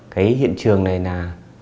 cái hiện trường này là